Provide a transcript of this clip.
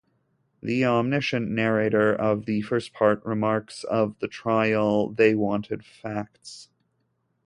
The omniscient narrator of the first part remarks of the trial: They wanted facts.